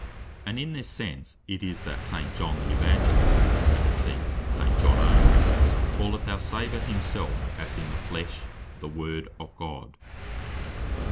And in this sense it is, that St. John the Evangelist, and, I think, St. John onely calleth our Saviour himself as in the flesh "the Word of God (as Joh.